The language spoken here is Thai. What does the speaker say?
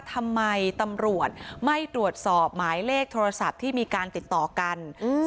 ทำไมตำรวจไม่ตรวจสอบหมายเลขโทรศัพท์ที่มีการติดต่อกัน